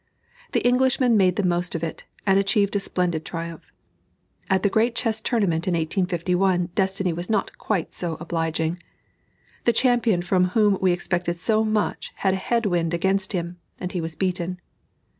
The Englishman made the most of it, and achieved a splendid triumph. At the great Chess Tournament in 1851 destiny was not quite so obliging. The champion from whom we expected so much had a head wind against him, and he was beaten.